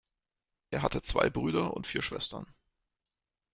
Er hatte zwei Brüder und vier Schwestern.